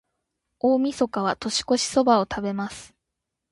大晦日は、年越しそばを食べます。